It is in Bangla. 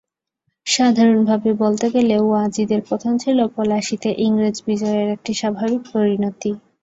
সাধারণভাবে বলতে গেলে ওয়াজিদের পতন ছিল পলাশীতে ইংরেজ বিজয়ের একটি স্বাভাবিক পরিণতি।